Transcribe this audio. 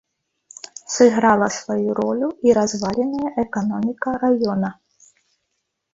Сыграла сваю ролю і разваленая эканоміка раёна.